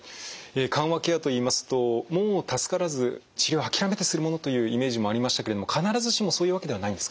緩和ケアといいますともう助からず治療を諦めてするものというイメージもありましたけれども必ずしもそういうわけではないんですか？